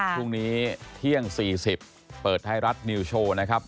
พรุ่งนี้เที่ยง๔๐เปิดไทยรัฐนิวโชว์นะครับ